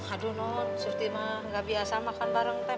aduh non surti mah gak biasa makan bareng teh